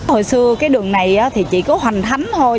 hồi xưa cái đường này thì chỉ có hoành thánh thôi